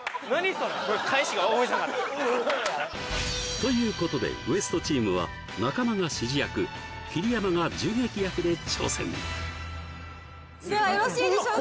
それということでＷＥＳＴチームは中間が指示役桐山が銃撃役で挑戦！ではよろしいでしょうか？